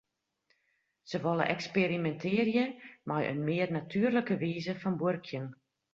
Se wolle eksperimintearje mei in mear natuerlike wize fan buorkjen.